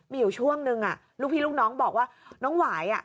มีอยู่ช่วงนึงลูกพี่ลูกน้องบอกว่าน้องหวาย